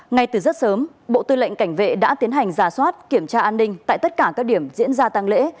ngay từ rất sớm bộ tư lệnh cảnh vệ đã tiến hành giả soát kiểm tra an ninh tại tất cả các điểm diễn ra tăng lễ